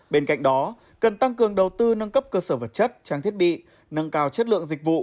bên cạnh đó cần tăng cường đầu tư nâng cấp cơ sở vật chất trang thiết bị nâng cao chất lượng dịch vụ